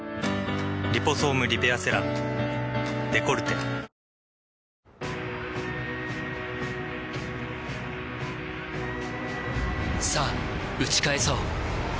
「リポソームリペアセラムデコルテ」さぁ打ち返そう